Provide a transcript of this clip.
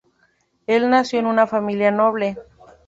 Él nació en una familia noble.